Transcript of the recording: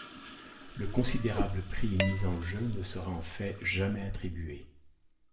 Le considérable prix mis en jeu ne sera en fait jamais attribué.